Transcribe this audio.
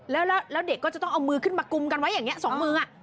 แล้วเด็กก็จะต้องเอามือขึ้นมากุมกันไว้อย่างนี้๒มือ